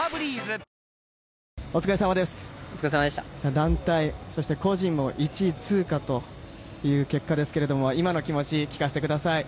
団体、そして個人も１位通過という結果ですけれども今の気持ちを聞かせてください。